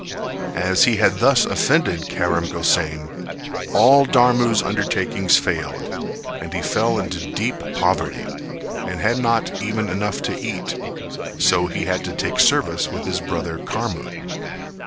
As he had thus offended Karam Gosain, all Dharmu's undertakings failed and he fell into deep poverty, and had not even enough to eat, so he had to take service with his brother Karmu.